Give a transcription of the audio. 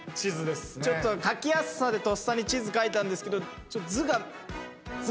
ちょっと描きやすさでとっさに地図描いたんですけど。